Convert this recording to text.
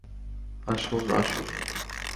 আসুন, আসুন।